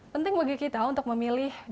penting bagi kita untuk memilih jenis bantal